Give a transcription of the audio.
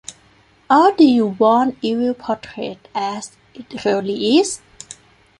Or do you want evil portrayed as it really is?